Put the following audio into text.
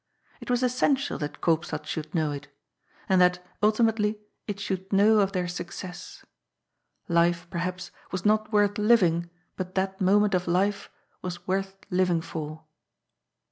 It was essential that Koopstad should know it And that, ultimately, it should know of their success. Life, perhaps, was not worth living, but that moment of life was worth living for.